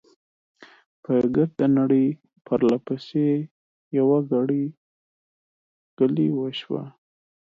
په ګرده نړۍ، پرله پسې، يوه ګړۍ، ګلۍ وشوه .